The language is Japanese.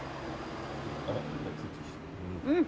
うん！